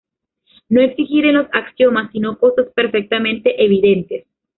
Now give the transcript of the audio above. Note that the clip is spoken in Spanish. No exigir en los axiomas sino cosas perfectamente evidentes.